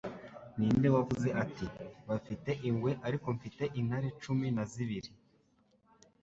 Ninde wavuze ati "Bafite Ingwe ariko mfite Intare cumi na zibiri"?